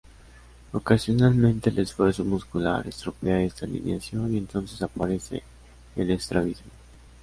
Ocasionalmente el esfuerzo muscular estropea esta alineación y entonces aparece el estrabismo.